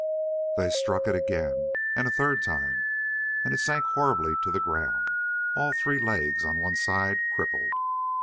They struck it again, and a third time, and it sank horribly to the ground, all three legs on one side crippled.